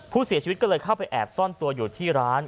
ผู้เสียชีวิตก็เลยเข้าไปแอบซ่อนตัวอยู่ที่ร้าน